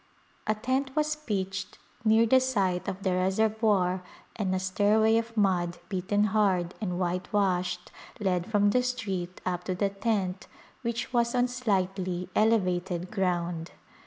A tent was pitched near the site of the reservoir and a stairway of mud beaten hard and whitewashed led from the street up to the tent which was on slightly elevated ground.